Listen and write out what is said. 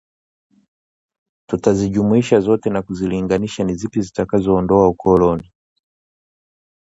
tukazijumuisha zote na kuzilinganisha ni zipi zitakazoondoa ukoloni